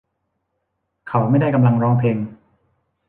เขาไม่ได้กำลังร้องเพลง